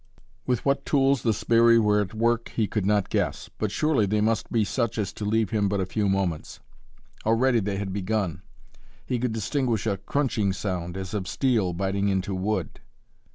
With what tools the sbirri were at work he could not guess, but surely they must be such as to leave him but a few moments. Already they had begun. He could distinguish a crunching sound as of steel biting into wood.